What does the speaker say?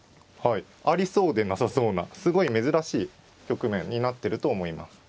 ありそうでなさそうなすごい珍しい局面になってると思います。